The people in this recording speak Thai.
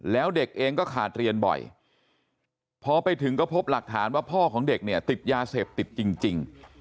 แล้วเด็กเองก็ขาดเรียนบ่อยพอไปถึงก็พบหลักฐานว่าพ่อของเด็กเนี่ยติดยาเสพติดจริง